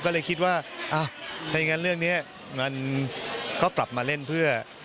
ก็เลยคิดว่าถ้าอย่างนั้นเรื่องนี้มันก็กลับมาเล่นเพื่อ